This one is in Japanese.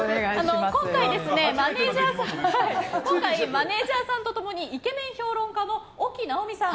今回、マネジャーさんと共にイケメン評論家の沖直実さん